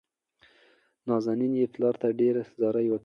نازنين يې پلار ته ډېرې زارۍ وکړې.